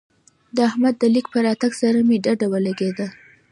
د احمد د ليک په راتګ سره مې ډډه ولګېده.